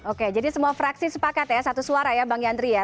oke jadi semua fraksi sepakat ya satu suara ya bang yandri ya